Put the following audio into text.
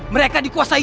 mereka di kuasai jin